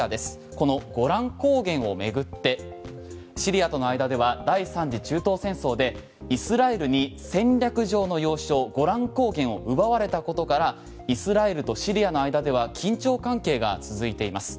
このゴラン高原を巡ってシリアとの間では第３次中東戦争でイスラエルに戦略上の要衝ゴラン高原を奪われたことからイスラエルとシリアの間では緊張関係が続いています。